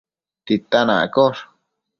titan accosh